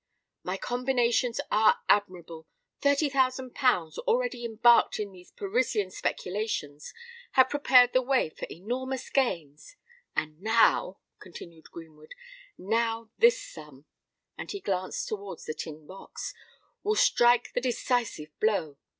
"My combinations are admirable! Thirty thousand pounds, already embarked in these Parisian speculations, have prepared the way for enormous gains: and now," continued Greenwood,—"now this sum,"—and he glanced towards the tin box—"will strike the decisive blow!